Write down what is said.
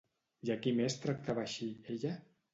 I a qui més tractava així, ella?